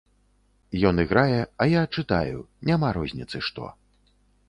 Ён іграе, а я чытаю, няма розніцы што.